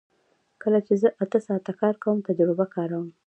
کله چې زه اته ساعته کار کوم تجربه کاروم